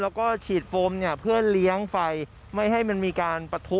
แล้วก็ฉีดโฟมเนี่ยเพื่อเลี้ยงไฟไม่ให้มันมีการปะทุ